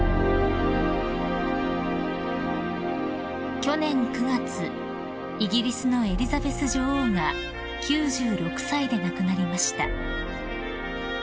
［去年９月イギリスのエリザベス女王が９６歳で亡くなりました］